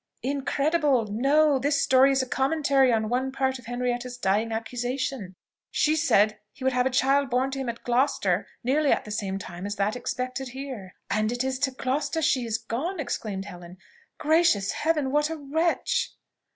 "Incredible. No! this story is a commentary on one part of Henrietta's dying accusation. She said he would have a child born to him at Gloucester nearly at the same time as that expected here." "And it is to Gloucester she is gone!" exclaimed Helen. "Gracious heaven, what a wretch!"